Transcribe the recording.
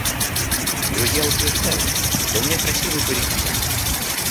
Друзья утверждают, что у меня красивый баритональный.